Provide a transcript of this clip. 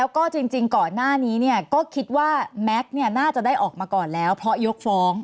ครับผมก็คิดอย่างนั้นครับ